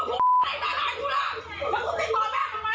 กลับมาพร้อมขอบความ